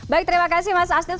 baik terima kasih mas astil